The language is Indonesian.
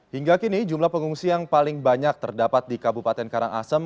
hingga kini jumlah pengungsi yang paling banyak terdapat di kabupaten karangasem